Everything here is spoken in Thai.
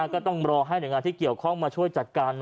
ก็ต้องรอให้หน่วยงานที่เกี่ยวข้องมาช่วยจัดการ